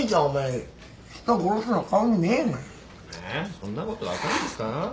そんなこと分かるんですか？